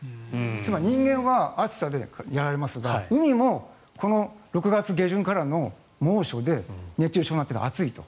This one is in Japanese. つまり、人間は暑さでやられますが海もこの６月下旬からの猛暑で熱中症になっている、暑いと。